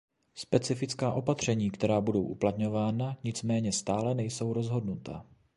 Specifická opatření, která budou uplatňována, nicméně stále nejsou rozhodnuta.